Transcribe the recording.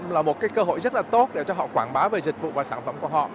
là một cái cơ hội rất là tốt để cho họ quảng bá về dịch vụ và sản phẩm của họ